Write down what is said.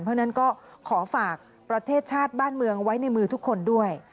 เพราะฉะนั้นก็ขอฝากประเทศชาติบ้านเมืองไว้ในมือทุกคนด้วย